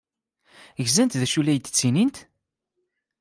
Gzant d acu ay la d-ttinint?